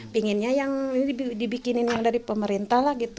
pengennya yang dibikinin yang dari pemerintah lah gitu